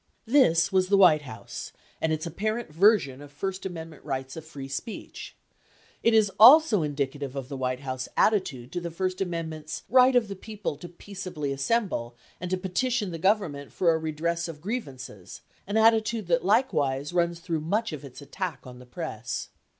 61 This was the White House, and its apparent version of first amend ment rights of free speech. It also is indicative of the White House attitude to the first amendment's "right of the people to peaceably assemble, and to petition the Government for a redress of griev ances," 62 an attitude that likewise runs through much of its attack on the press.